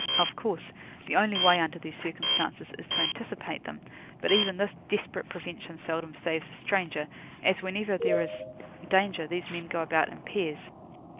Of course, the only way under these circumstances is to anticipate them; but even this desperate prevention seldom saves a stranger, as whenever there is danger, these men go about in pairs.